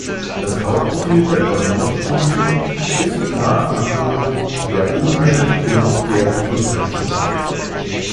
Das Hauptziel der neuen Richtlinie ist nach wie vor der Umwelt- und der Gesundheitsschutz.